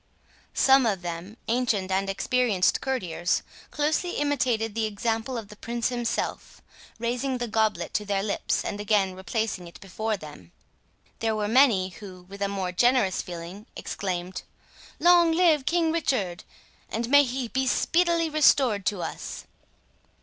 Some of them, ancient and experienced courtiers, closely imitated the example of the Prince himself, raising the goblet to their lips, and again replacing it before them. There were many who, with a more generous feeling, exclaimed, "Long live King Richard! and may he be speedily restored to us!"